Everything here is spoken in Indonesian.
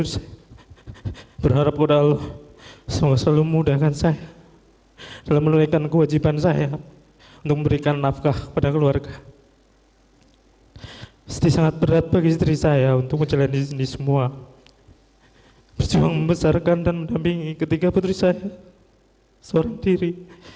saya jelani ini semua berjuang membesarkan dan mendampingi ketiga putri saya seorang diri